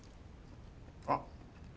あっ。